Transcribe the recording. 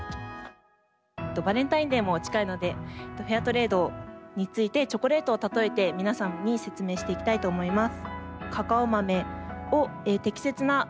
バレンタインデーも近いのでフェアトレードについてチョコレートを例えて皆さんに説明していきたいと思います。